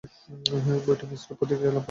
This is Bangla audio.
বইটি মিশ্র প্রতিক্রিয়া লাভ করে।